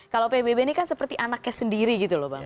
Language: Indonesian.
kalau pbb ini kan seperti anaknya sendiri gitu loh bang